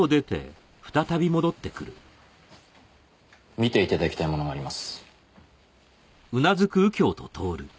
見て頂きたいものがあります。